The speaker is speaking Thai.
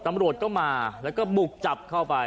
ตำรวจก็มาแล้วก็บุกจับเข้าไป